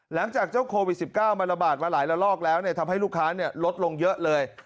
หลังจากเจ้าโควิด๑๙มาละบาทมาหลายละรอกแล้วเนี่ยทำให้ลูกค้าเนี่ยลดลงเยอะเลย